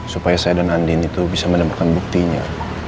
supaya saya dan andini itu bisa mendapatkan buktinya